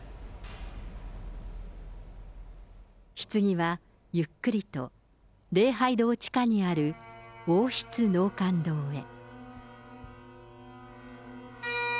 ひつぎは、ゆっくりと、礼拝堂地下にある王室納棺堂へ。